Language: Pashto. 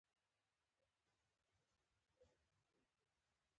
له علي سره احمد کومه ګوته وکړله، چې له تجارت څخه یې و ایستلا.